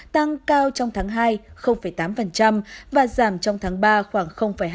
tăng cao trong tháng ii tám và giảm trong tháng iii khoảng hai mươi một